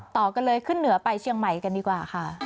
ต่อกันเลยขึ้นเหนือไปเชียงใหม่กันดีกว่าค่ะ